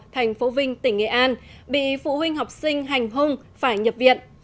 thành phố vinh tỉnh nghệ an bị phụ huynh học sinh hành hung phải nhập viện